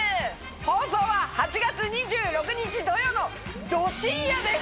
放送は８月２６日土曜のド深夜です！